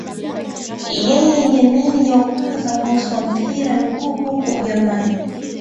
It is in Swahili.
Yeye ndiye meneja wa kwanza mweusi wa mpira wa miguu huko Ujerumani.